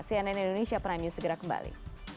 cnn indonesia prime news segera kembali